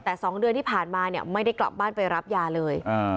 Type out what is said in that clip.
แต่๒เดือนที่ผ่านมาเนี่ยไม่ได้กลับบ้านไปรับยาเลย